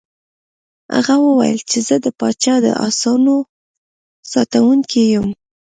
هغه وویل چې زه د پاچا د آسونو ساتونکی یم.